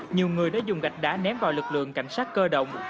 nhiều người đã dùng gạch đá ném vào lực lượng cảnh sát cơ động